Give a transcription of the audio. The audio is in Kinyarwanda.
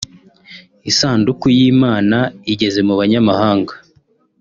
Isanduku y’Imana igeze mu banyamahanga